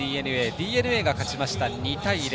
ＤｅＮＡが勝ちました、２対０。